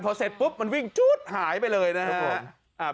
พอเสร็จปุ๊บมันวิ่งจู๊ดหายไปเลยนะครับ